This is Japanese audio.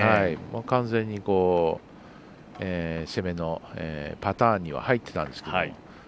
完全に攻めのパターンには入ってたんですけど。